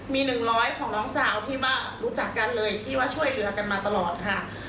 มี๑๐๐ของน้องสาวที่ว่ารู้จักกันเลยที่ว่าช่วยเรือกันมาตลอดค่ะ